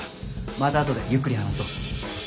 また後でゆっくり話そう。